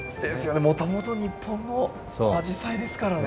もともと日本のアジサイですからね。